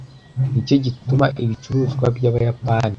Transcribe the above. nicyo gituma ibicuruzwa byabayapani